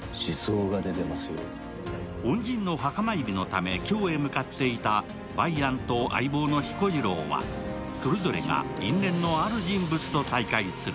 恩人の墓参りのため、京へ向かっていた梅安と相棒の彦次郎は、それぞれが因縁のある人物と再会する。